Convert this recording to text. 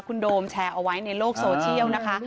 คุณโดมแชร์เอาไว้ในโลกโซเชียลนะคะ